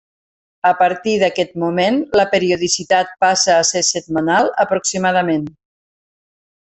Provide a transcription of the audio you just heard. A partir d'aquest moment, la periodicitat passa a ser setmanal, aproximadament.